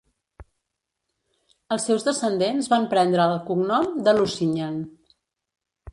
Els seus descendents van prendre el cognom de Lusignan.